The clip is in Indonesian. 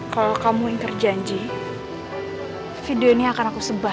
kalau kamu yang kerjaan janji video ini akan aku sebar